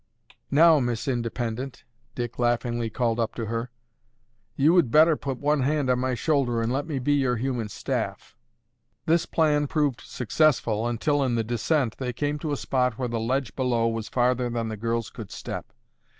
"Now, Miss Independent," Dick laughingly called up to her, "you would better put one hand on my shoulder and let me be your human staff." This plan proved successful until, in the descent, they came to a spot where the ledge below was farther than the girls could step.